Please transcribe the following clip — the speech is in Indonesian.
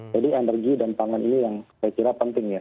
jadi energi dan pangan ini yang saya kira penting ya